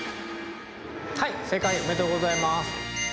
はい正解おめでとうございます。